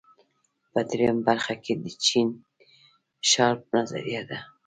په دویمه برخه کې د جین شارپ نظریه ده.